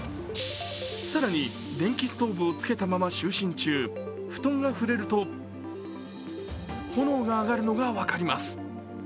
更に電気ストーブをつけたまま就寝中、布団が触れると、炎が上がるのが分かります。